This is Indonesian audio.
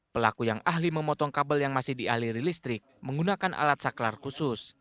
pelaku yang ahli memotong kabel yang masih dialiri listrik menggunakan alat saklar khusus